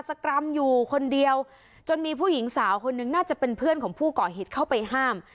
กรรมอยู่คนเดียวจนมีผู้หญิงสาวคนนึงน่าจะเป็นเพื่อนของผู้ก่อเหตุเข้าไปห้าม